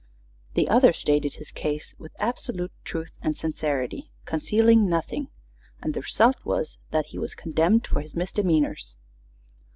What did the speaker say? The other stated his Case with absolute Truth and Sincerity, concealing Nothing; and the result was that he was Condemned for his Misdemeanors.